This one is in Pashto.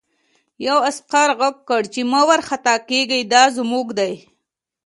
یوه عسکر غږ کړ چې مه وارخطا کېږه دا زموږ دي